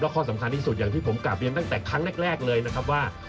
ข้อสำคัญที่สุดอย่างที่ผมกลับเรียนตั้งแต่ครั้งแรกเลยนะครับว่า